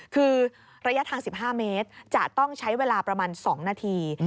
คือระยะทาง๑๕เมตรจะต้องใช้เวลาประมาณ๒นาที